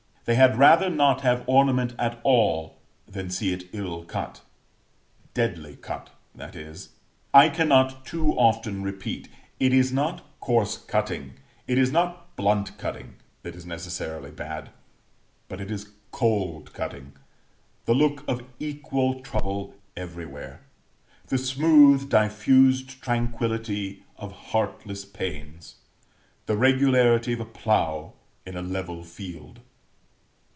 They had rather not have ornament at all, than see it ill cut deadly cut, that is. I cannot too often repeat, it is not coarse cutting, it is not blunt cutting, that is necessarily bad; but it is cold cutting the look of equal trouble everywhere the smooth, diffused tranquillity of heartless pains the regularity of a plough in a level field.